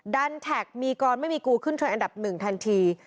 ดันแท็กมีกรไม่มีกูขึ้นทวนอันดับ๑ทันที